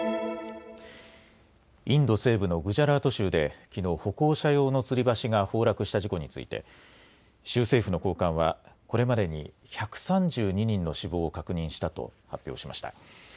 インド西部のグジャラート州できのう歩行者用のつり橋が崩落した事故について州政府の高官はこれまでに１３２人の死亡を確認したと発表しました。